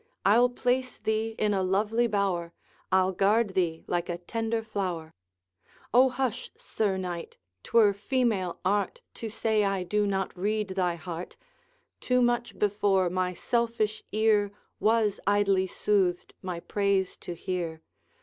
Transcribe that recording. I'll place thee in a lovely bower, I'll guard thee like a tender flower ' 'O hush, Sir Knight! 't were female art, To say I do not read thy heart; Too much, before, my selfish ear Was idly soothed my praise to hear.